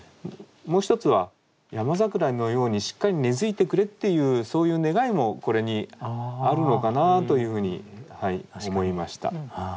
もう一つは山桜のようにしっかり根づいてくれっていうそういう願いもこれにあるのかなというふうに思いました。